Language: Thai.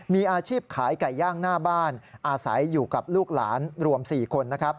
มีอาชีพขายไก่ย่างหน้าบ้านอาศัยอยู่กับลูกหลานรวม๔คนนะครับ